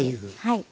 はい。